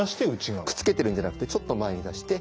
くっつけてるんじゃなくてちょっと前に出して内側。